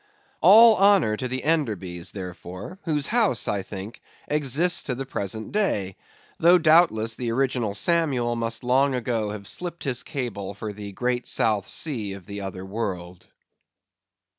All honor to the Enderbies, therefore, whose house, I think, exists to the present day; though doubtless the original Samuel must long ago have slipped his cable for the great South Sea of the other world.